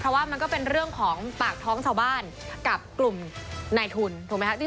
เพราะว่ามันก็เป็นเรื่องของปากท้องชาวบ้านกับกลุ่มนายทุนถูกไหมครับ